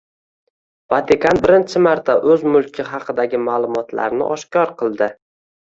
Vatikan birinchi marta o‘z mulki haqidagi ma’lumotlarni oshkor qildi